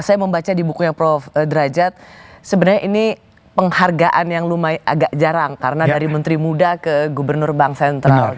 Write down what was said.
saya membaca di bukunya prof derajat sebenarnya ini penghargaan yang lumayan agak jarang karena dari menteri muda ke gubernur bank sentral